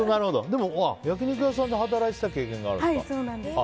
でも焼き肉屋さんで働いていた経験があるんですか。